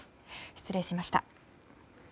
失礼しました。